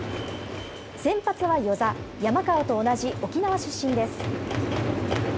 先発は與座、山川と同じ沖縄出身です。